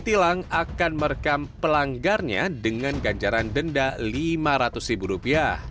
tilang akan merekam pelanggarnya dengan ganjaran denda rp lima ratus